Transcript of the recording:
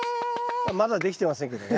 まだできてませんけどね。